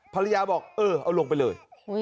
ภรรยาบอกเออเอาลงไปเลย